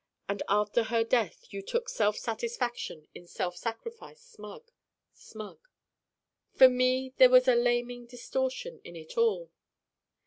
And after her death you took self satisfaction in self sacrifice: smug smug. For me there was a laming distortion in it all.